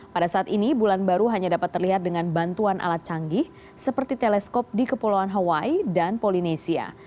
pada saat ini bulan baru hanya dapat terlihat dengan bantuan alat canggih seperti teleskop di kepulauan hawaii dan polinesia